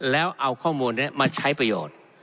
แล้วเอาข้อมูลนี้มาใช้ประโยชน์